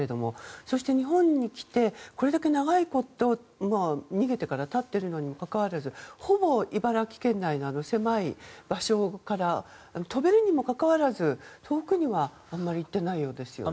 そして日本に来てこれだけ長いこと逃げてから経っているのにほぼ茨城県内の狭い場所から飛べるにもかかわらず遠くにはあまり行っていないようですね。